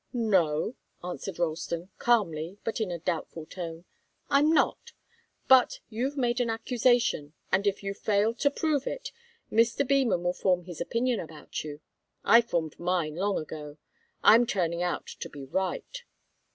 "No," answered Ralston, calmly, but in a doubtful tone. "I'm not. But you've made an accusation, and if you fail to prove it, Mr. Beman will form his opinion about you. I formed mine long ago. I'm turning out to be right."